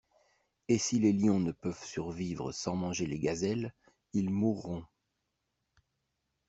Et si les lions ne peuvent survivre sans manger les gazelles, ils mourront.